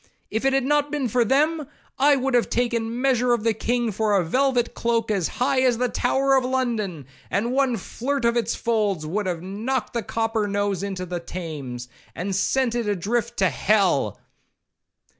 'If it had not been for them, I would have taken measure of the king for a velvet cloak as high as the Tower of London, and one flirt of its folds would have knocked the 'copper nose' into the Thames, and sent it a drift to Hell.'